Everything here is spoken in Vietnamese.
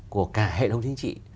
của cả hệ đồng chính trị